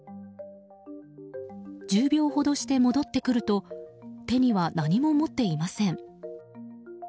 １０秒ほどして戻ってくると手には何も持っていません。